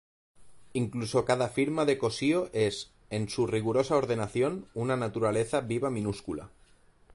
Incluso cada firma de Cossío es, en su rigurosa ordenación, una naturaleza viva minúscula.